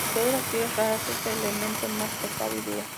De todas las tierras raras es el elemento más pesado y duro.